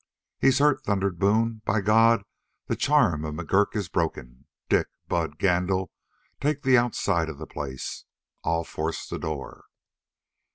"He's hurt," thundered Boone. "By God, the charm of McGurk is broken. Dick, Bud, Gandil, take the outside of the place. I'll force the door."